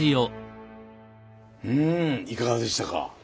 うんいかがでしたか？